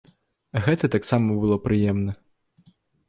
Гэта таксама было прыемна.